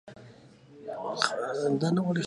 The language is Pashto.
حیا مي راسي چي درته ګورم